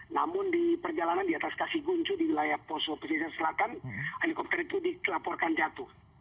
namun di perjalanan di atas kasiguncu di wilayah poso pesisir selatan helikopter itu dilaporkan jatuh